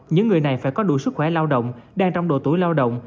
những người này phải có đủ sức khỏe lao động đang trong độ tuổi lao động